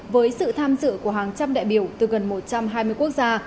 với sự tham dự của hàng trăm đại biểu từ gần một trăm hai mươi quốc gia